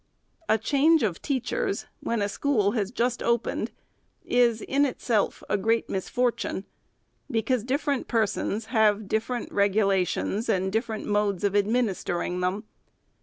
A change of teachers, when a school has just opened, is, in itself, a great misfortune ; because different persons have different regulations and different modes of administering them.